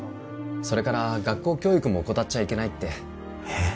それから学校教育も怠っちゃいけないってえっ？